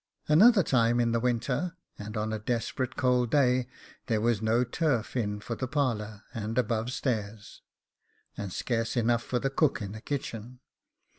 Another time, in the winter, and on a desperate cold day, there was no turf in for the parlour and above stairs, and scarce enough for the cook in the kitchen.